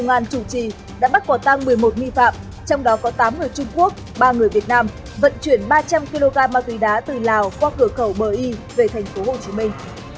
công an chủ trì đã bắt quả tăng một mươi một nghi phạm trong đó có tám người trung quốc ba người việt nam vận chuyển ba trăm linh kg ma túy đá từ lào qua cửa khẩu bờ y về thành phố hồ chí minh